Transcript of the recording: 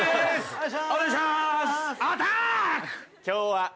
今日は。